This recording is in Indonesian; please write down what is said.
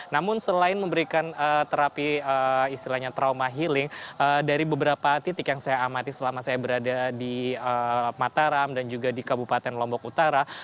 namun selain memberikan terapi istilahnya trauma healing dari beberapa titik yang saya amati selama saya berada di mataram dan juga di kabupaten lombok utara